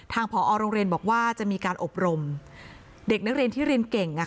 ผอโรงเรียนบอกว่าจะมีการอบรมเด็กนักเรียนที่เรียนเก่ง